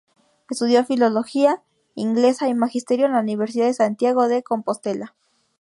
Estudió Filología Inglesa y Magisterio en la Universidad de Santiago de Compostela.